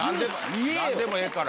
何でもええから。